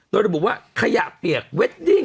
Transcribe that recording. โดยระบุว่าขยะเปียกเวดดิ้ง